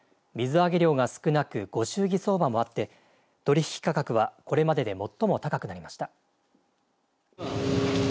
水揚げ量が少なくご祝儀相場もあって取引価格は、これまでで最も高くなりました。